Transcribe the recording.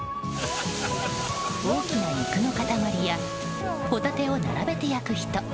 大きな肉の塊やホタテを並べて焼く人。